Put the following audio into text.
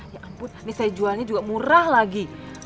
ya ampun ini saya jualnya juga murah lagi